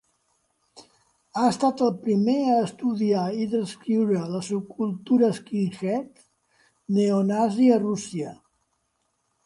Ha estat el primer a estudiar i descriure la subcultura skinhead neonazi a Rússia.